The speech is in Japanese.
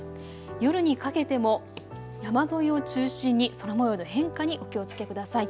夜にかけても山沿いを中心に空もようの変化にお気をつけください。